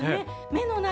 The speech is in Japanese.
目の中。